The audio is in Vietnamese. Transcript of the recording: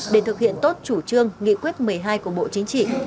để thực hiện tốt chủ trương nghị quyết một mươi hai của bộ chính trị